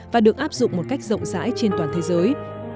và được áp dụng một cách rộng rãi trên toàn thế giới